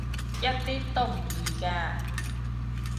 一啲都唔易㗎